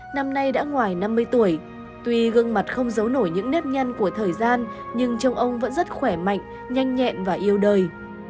năm nay đã ngoài năm mươi tuổi tuy gương mặt không giấu nổi những nếp nhân của thời gian nhưng trong ông vẫn rất khỏe mạnh nhanh nhẹn và yêu đời